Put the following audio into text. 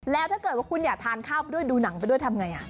แล้วถ้าเกิดว่าคุณอยากทานข้าวด้วยดูหนังไปด้วยทำไง